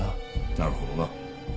なるほどな。